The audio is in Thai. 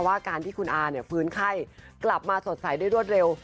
ว่าการที่คุณอาฟื้นไข้กลับมาสดใสได้รวดเร็ว